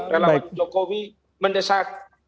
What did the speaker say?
jadi kami relawan jokowi mendesak